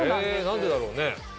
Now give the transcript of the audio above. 何でだろうね？